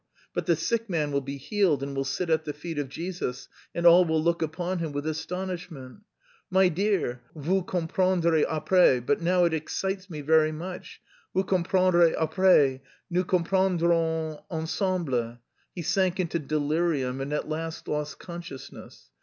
But the sick man will be healed and 'will sit at the feet of Jesus,' and all will look upon him with astonishment.... My dear, vous comprendrez après, but now it excites me very much.... Vous comprendrez après. Nous comprendrons ensemble." He sank into delirium and at last lost consciousness.